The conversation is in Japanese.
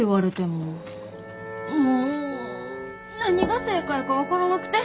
もう何が正解か分からなくて。